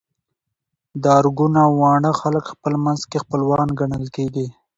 د ارګون او واڼه خلک خپل منځ کي خپلوان ګڼل کيږي